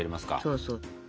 そうそう。